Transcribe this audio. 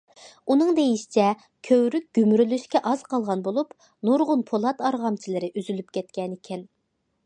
ئۇنىڭ دېيىشىچە، كۆۋرۈك گۈمۈرۈلۈشكە ئاز قالغان بولۇپ، نۇرغۇن پولات ئارغامچىلىرى ئۈزۈلۈپ كەتكەنىكەن.